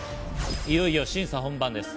いよいよ審査本番です。